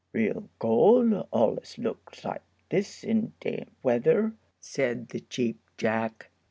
"Real gold allus looks like this in damp weather," said the Cheap Jack.